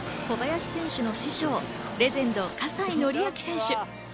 小林選手の師匠、レジェンド・葛西紀明選手。